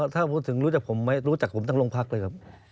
ถ้าพูดถึงรู้จักผมไม่รู้จักผมทั้งโรงพักเลยครับ